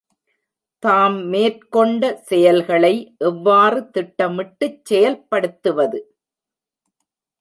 தாம் மேற்கொண்ட செயல்களை எவ்வாறு திட்டமிட்டுச் செயல்படுத்துவது?